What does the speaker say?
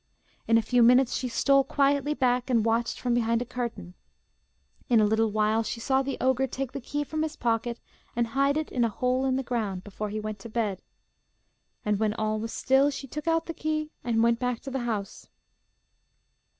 In a few minutes she stole quietly back, and watched from behind a curtain. In a little while she saw the ogre take the key from his pocket, and hide it in a hole in the ground before he went to bed. And when all was still she took out the key, and went back to the house.